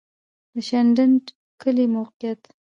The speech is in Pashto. د شینډنډ کلی موقعیت